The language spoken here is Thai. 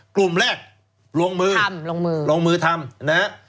กลุ่มแรกลงมือลงมือทำ